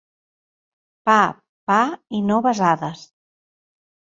Pa, pa, i no besades.